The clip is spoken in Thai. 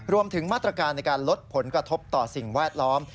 รวมถึงมาตรการในการลดผลกระทบต่อสิ่งแวดล้อม